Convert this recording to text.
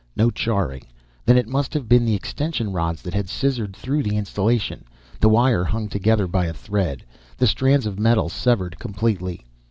No charring; then it must have been the extension rods that had scissored through the insulation. The wire hung together by a thread, the strands of metal severed completely.